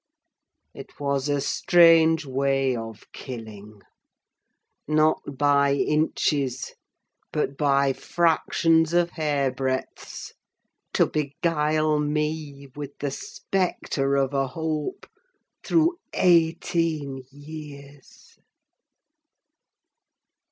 It was a strange way of killing: not by inches, but by fractions of hairbreadths, to beguile me with the spectre of a hope through eighteen years!"